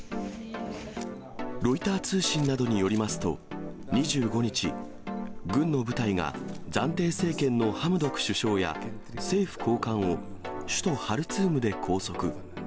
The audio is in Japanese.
ロイター通信などによりますと、２５日、軍の部隊が暫定政権のハムドク首相や、政府高官を首都ハルツームで拘束。